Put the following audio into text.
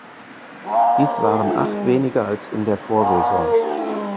Dies waren acht weniger als in der Vorsaison.